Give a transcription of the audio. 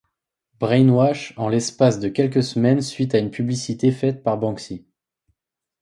Brainwash en l’espace de quelques semaines suite à une publicité faite par Banksy.